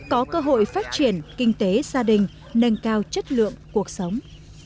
có cơ hội phát triển kinh tế gia đình nâng cao chất lượng cuộc sống